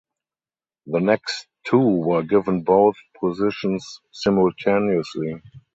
The next two were given both positions simultaneously.